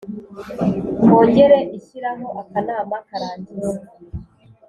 Kongere ishyiraho akanama karangiza